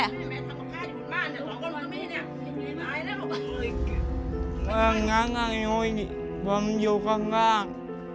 กำลังอยู่ข้างล่างผมอยู่ข้างล่าง